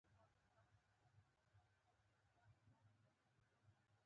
د پوهنتون زده کړه د منظم ژوند غوښتنه کوي.